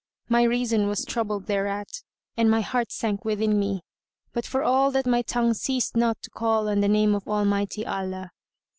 My reason was troubled thereat and my heart sank within me; but for all that my tongue ceased not to call on the name of Almighty Allah.